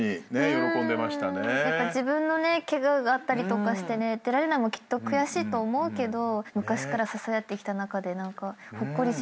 自分のケガがあったりとかして出られないのもきっと悔しいと思うけど昔から支え合ってきた仲で何かほっこりしましたね。